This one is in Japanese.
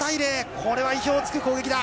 これは意表を突く攻撃だ。